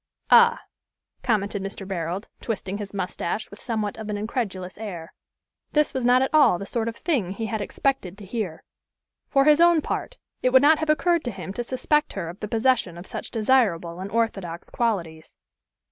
"Ah!" commented Mr. Barold, twisting his mustache with somewhat of an incredulous air. This was not at all the sort of thing he had expected to hear. For his own part, it would not have occurred to him to suspect her of the possession of such desirable and orthodox qualities.